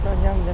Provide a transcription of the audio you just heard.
nó rất là tốt